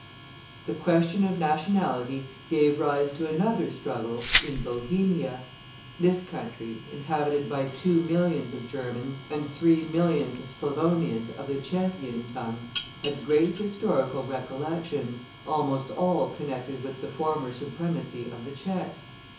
The question of nationality gave rise to another struggle in Bohemia. This country, inhabited by two millions of Germans, and three millions of Slavonians of the Tschechian tongue, had great historical recollections, almost all connected with the former supremacy of the Tschechs.